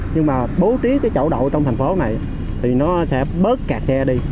nhưng mà bố trí cái chỗ đậu trong thành phố này thì nó sẽ bớt kẹt xe đi